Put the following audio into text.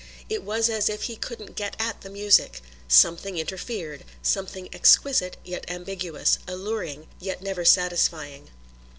It was as if he couldn't get at the music. Something interfered, something exquisite yet ambiguous, alluring yet never satisfying.